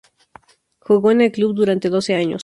Jugó en el club durante doce años.